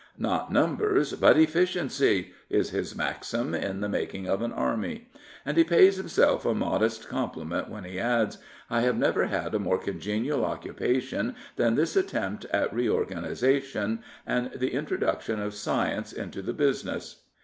" Not numbers but efficiency " is his maxim in the making of an army. And he pays himself a modest com pliment when he adds, " I have never had a more congenial occupation than this attempt at reorganisa tion and the introduction of science into the business.